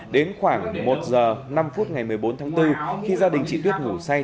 đến khoảng một giờ năm phút ngày một mươi bốn tháng bốn khi gia đình chị tuyết ngủ say